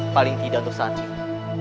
paling tidak untuk saat ini